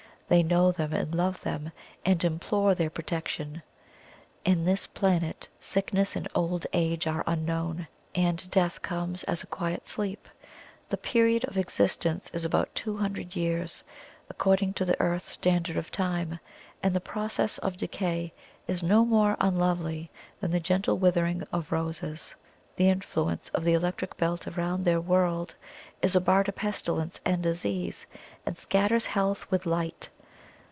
They know them and love them, and implore their protection. In this planet sickness and old age are unknown, and death comes as a quiet sleep. The period of existence is about two hundred years, according to the Earth's standard of time; and the process of decay is no more unlovely than the gentle withering of roses. The influence of the electric belt around their world is a bar to pestilence and disease, and scatters health with light.